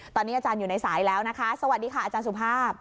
ตอนนี้อาจารย์อยู่ในสายแล้วนะคะสวัสดีค่ะอาจารย์สุภาพ